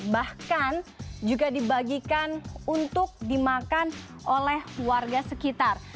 bahkan juga dibagikan untuk dimakan oleh warga sekitar